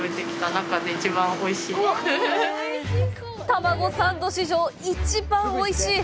たまごサンド史上、一番おいしい！